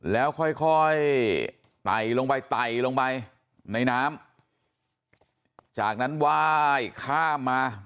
แล้วค่อยไตลงไปไตลงไปในน้ำจากนั้นวายข้ามมา